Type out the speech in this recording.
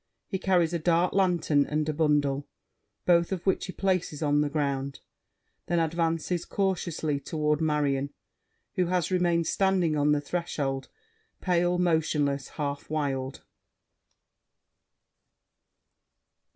He carries a dark lantern and a bundle, both of which he places on the ground, then advances cautiously toward Marion, who has remained standing on the threshold, pale, motionless, half wild.